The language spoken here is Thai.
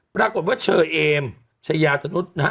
ปรากฏว่าเชอเอมชายาธนุษย์นะฮะ